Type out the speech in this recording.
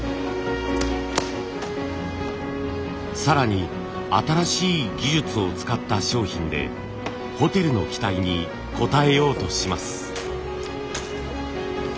更に新しい技術を使った商品でホテルの期待に応えようとします。